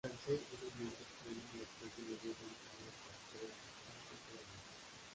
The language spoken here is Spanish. Al ser un ambiente extremo la especie debió evolucionar para poder adaptarse y sobrevivir.